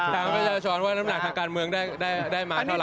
ถามประชาชนว่าน้ำหนักทางการเมืองได้มาเท่าไ